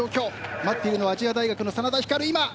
待っているの亜細亜大学の眞田ひかる。